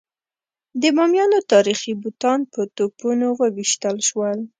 د بامیانو تاریخي بوتان په توپونو وویشتل شول.